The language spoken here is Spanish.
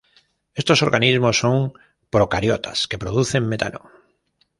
Estos organismos son procariotas que producen metano.